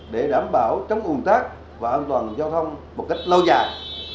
để đảm bảo chống uồn tắc và an toàn giao thông một cách lâu dài